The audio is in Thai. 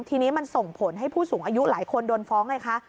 ทีนี้มันส่งผลให้ผู้สูงอายุหลายคนโดนฟ้องไงคะ